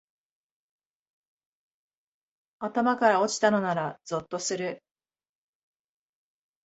頭から落ちたのならゾッとする